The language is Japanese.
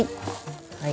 はい。